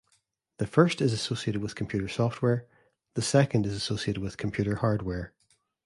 The first is associated with computer software, the second is associated with computer hardware.